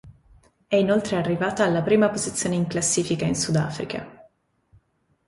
È inoltre arrivata alla prima posizione in classifica in Sudafrica.